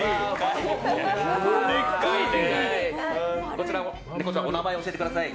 こちらのネコちゃんのお名前を教えてください。